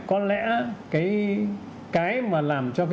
có lẽ cái mà làm cho